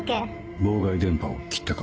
妨害電波を切ったか。